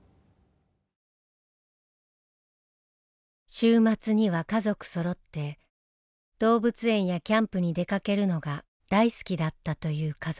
週末には家族そろって動物園やキャンプに出かけるのが大好きだったという家族。